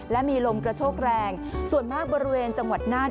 และมีลมกระโชกแรงส่วนมากบริเวณจังหวัดน่าน